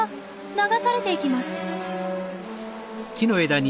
流されていきます。